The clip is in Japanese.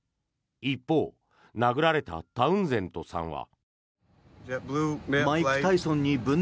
一方、殴られたタウンゼントさんは。